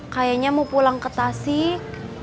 kayaknya mau pulang ke tasik